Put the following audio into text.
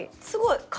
すごい！